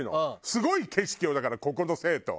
すごい景色よだからここの生徒。